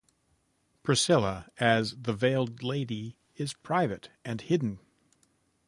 Priscilla, as the Veiled Lady, is private and hidden.